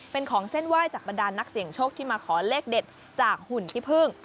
เป็นของเส้นไหว้จากบรรดานนักเสี่ยงโชคที่มาขอเลขเด็ดจากหุ่นขี้พึ่ง